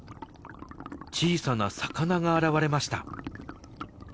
小さな魚が現れました。